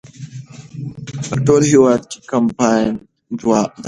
په ټول هېواد کې کمپاین دوام لري.